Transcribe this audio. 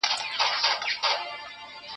چي سپارې مي د هغه ظالم دُرې ته